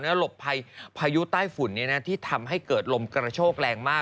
หลบพายุใต้ฝุ่นที่ทำให้เกิดลมกระโชกแรงมาก